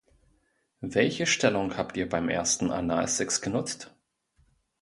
Welche Stellung habt ihr beim ersten Analsex genutzt?